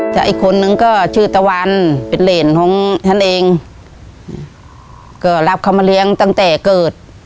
แต่อีกคนนึงก็ชื่อตะวันเป็นเหรนของฉันเองก็รับเขามาเลี้ยงตั้งแต่เกิด